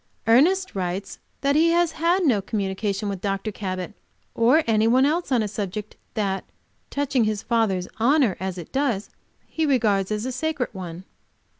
Ernest writes that he has had no communication with Dr. Cabot or any one else on subject that, touching his father's honor as it does, he regards as a sacred one.